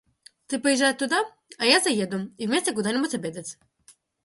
Ты поезжай туда, а я заеду, и вместе куда-нибудь обедать.